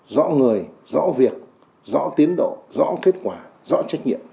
rõ người rõ việc rõ tiến độ rõ kết quả rõ trách nhiệm